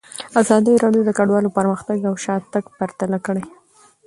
ازادي راډیو د کډوالو پرمختګ او شاتګ پرتله کړی.